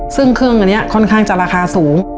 ซึ่งเครื่องอันนี้ค่อนข้างจะราคาสูง